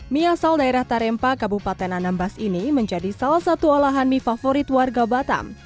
mie asal daerah tarempa kabupaten anambas ini menjadi salah satu olahan mie favorit warga batam